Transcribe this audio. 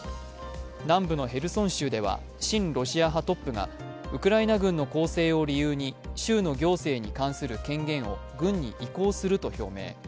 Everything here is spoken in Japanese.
南部のヘルソン州では親ロシア派トップがウクライナ軍の攻勢を理由に州の行政に関する権限を軍に移行すると表明。